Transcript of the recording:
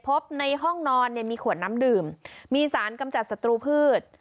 พบในห้องนอนเนี่ยมีขวดน้ำดื่มมีสารกำจัดศัตรูพืช